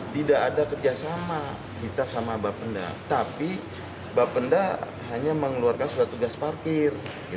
tidak ada kerjasama kita sama bapenda tapi bapenda hanya mengeluarkan surat tugas parkir